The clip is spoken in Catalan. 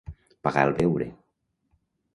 Pagar el beure.